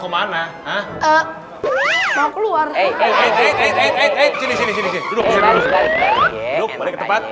duduk balik ke tempat